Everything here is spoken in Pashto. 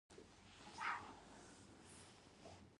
ایا زه باید ږیره پریږدم؟